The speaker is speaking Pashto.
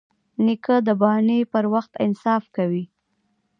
نیکه د بانې پر وخت انصاف کوي.